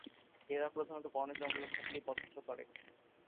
এরা প্রধানত বনে জঙ্গলে থাকতেই পছন্দ করে।